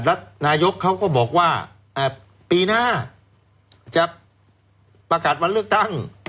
นายกเขาก็บอกว่าปีหน้าจะประกาศวันเลือกตั้ง